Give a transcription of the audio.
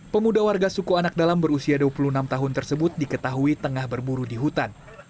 pemuda warga suku anak dalam berusia dua puluh enam tahun tersebut diketahui tengah berburu di hutan